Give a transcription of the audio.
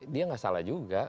dia enggak salah juga